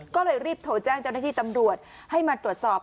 ก็เลยรีบโทรแจ้งเจ้าหน้าที่ตำรวจให้มาตรวจสอบ